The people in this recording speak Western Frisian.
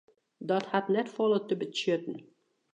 Dat hat net folle te betsjutten.